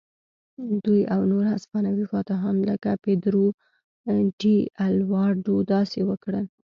دوی او نور هسپانوي فاتحان لکه پیدرو ډي الواردو داسې وکړل.